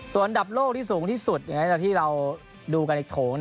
ส่วนอันดับโลกที่สูงที่สุดจากที่เราดูกันในโถง